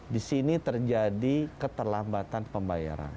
di sini terjadi keterlambatan pembayaran